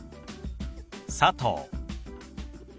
「佐藤」。